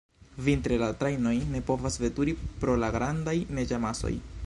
Vintre la trajnoj ne povas veturi pro la grandaj neĝamasoj.